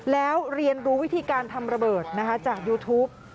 แล้วเรียนรู้วิธีการทำระเบิดจากยูทูป